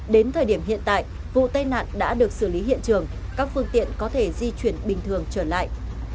đến thời điểm hiện tại vụ tai nạn đã được xử lý hiện trường các phương tiện có thể di chuyển bình thường trở lại